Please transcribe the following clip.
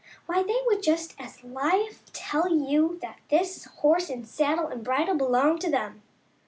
Why, they would just as lief tell you that this horse and saddle and bridle belong to them."